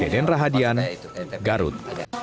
deden rahadian garut